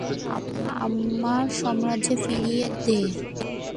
আমার সাম্রাজ্য ফিরিয়ে দে।